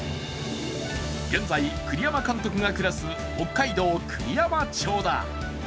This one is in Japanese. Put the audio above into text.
現在、栗山監督が暮らす北海道栗山町だ。